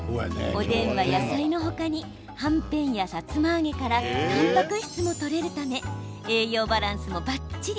おでんは野菜の他にはんぺんや、さつま揚げからたんぱく質もとれるため栄養バランスもばっちり。